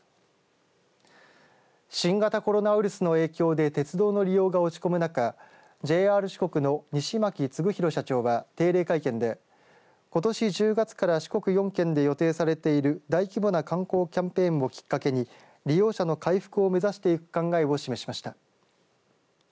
新型コロナウイルスの影響で鉄道の利用が落ち込む中ＪＲ四国の西牧世博社長が定例会見でことし中月から四国４県で予定されている大規模な観光キャンペーンをきっかけに利用者の回復を目指していく考えを示しました。